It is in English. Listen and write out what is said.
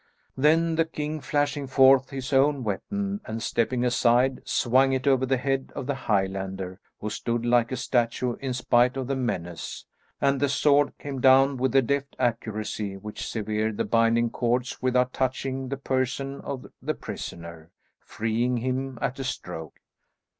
Then the king, flashing forth his own weapon and stepping aside, swung it over the head of the Highlander, who stood like a statue in spite of the menace, and the sword came down with a deft accuracy which severed the binding cords without touching the person of the prisoner, freeing him at a stroke.